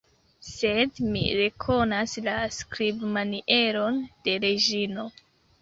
Sed mi rekonas la skribmanieron de Reĝino!